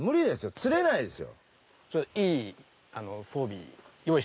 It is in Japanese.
釣れないですよ。